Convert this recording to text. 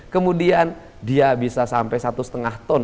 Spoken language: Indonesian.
kemudian dia bisa sampai satu lima ton